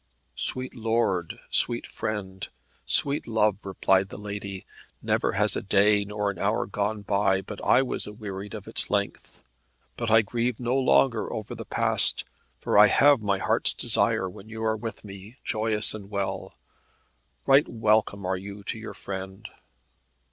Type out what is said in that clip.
"Sweet lord, sweet friend, sweet love," replied the lady, "never has a day nor an hour gone by but I was awearied of its length. But I grieve no longer over the past, for I have my heart's desire when you are with me, joyous and well. Right welcome are you to your friend."